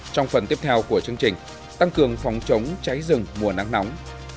trong phần tiếp theo của chương trình tăng cường phòng chống cháy rừng mùa nắng nóng